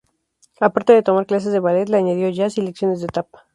A parte de tomar clases de ballet, le añadió jazz y lecciones de tap.